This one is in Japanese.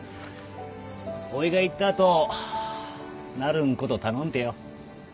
おぃが行った後なるんこと頼んてよ。